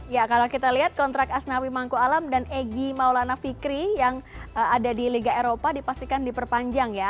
ya kalau kita lihat kontrak asnawi mangku alam dan egy maulana fikri yang ada di liga eropa dipastikan diperpanjang ya